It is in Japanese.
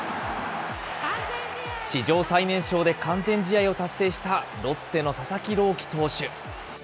史上最年少で完全試合を達成したロッテの佐々木朗希投手。